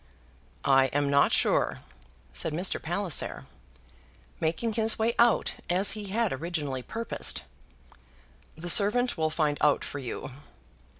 "I am not sure," said Mr. Palliser, making his way out as he had originally purposed. "The servant will find out for you."